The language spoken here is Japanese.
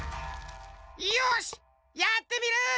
よしやってみる！